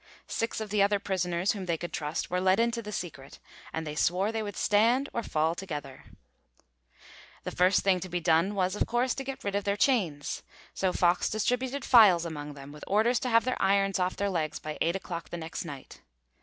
Six of the other prisoners whom they could trust were let into the secret, and they swore they would stand or fall together. The first thing to be done was, of course, to get rid of their chains, so Fox distributed files among them, with orders to have their irons off their legs by eight o'clock the next night.